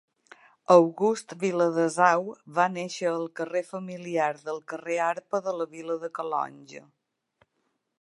August Viladesau va néixer al carrer familiar del carrer Arpa de la vila de Calonge.